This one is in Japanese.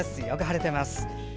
よく晴れてます。